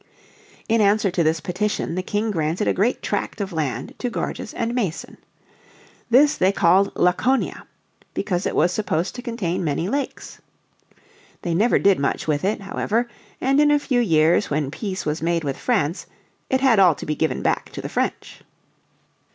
In answer to this petition the King granted a great tract of land to Gorges and Mason. This they called Laconia, because it was supposed to contain many lakes. They never did much with it however, and in a few years when peace was made with France it had all to be given back to the French.